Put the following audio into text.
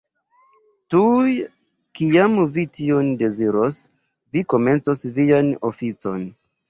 Tuj kiam vi tion deziros, vi komencos vian oficon.